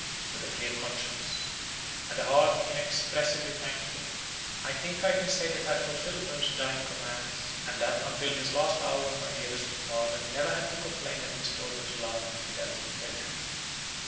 With a clear conscience, and a heart inexpressibly thankful, I think I can say that I fulfilled those dying commands, and that until his last hour my dearest father never had to complain that his daughter's love and fidelity failed him.